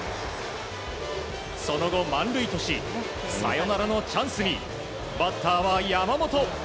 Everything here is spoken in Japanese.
その後、満塁としサヨナラのチャンスにバッターは山本。